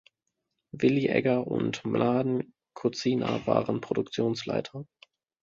Willy Egger und Mladen Kozina waren Produktionsleiter.